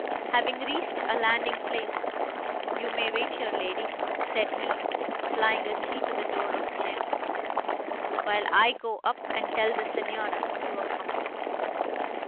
Having reached a landing place, "You may wait here, lady," said he, applying a key to the door of a chamber, "while I go up, and tell the Signora you are coming."